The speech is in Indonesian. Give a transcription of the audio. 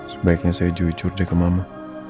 sebaiknya saya jujur curja ke mama